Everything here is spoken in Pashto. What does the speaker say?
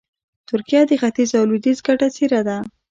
ترکیه د ختیځ او لویدیځ ګډه څېره ده.